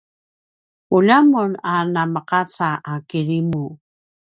ulja mun a nameqaca a kirimu